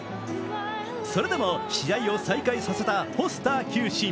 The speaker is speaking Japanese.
それでも試合を再開させたフォスター球審。